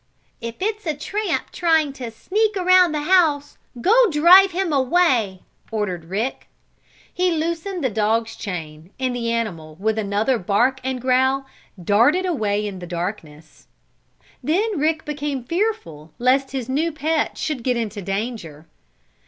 "If it's a tramp trying to sneak around the house, go drive him away!" ordered Rick. He loosened the dog's chain and the animal with another bark and growl, darted away in the darkness. Then Rick became fearful lest his new pet should get into danger.